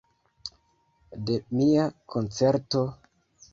De mia koncerto?